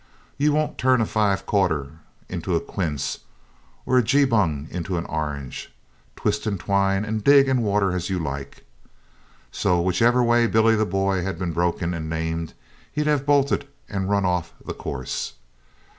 You won't turn a five corner into a quince, or a geebung into an orange, twist and twine, and dig and water as you like. So whichever way Billy the Boy had been broken and named he'd have bolted and run off the course.